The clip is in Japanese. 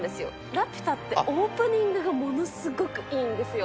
ラピュタってオープニングがものすごくいいんですよ。